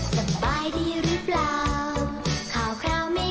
สิ่งที่เราทำก็คือ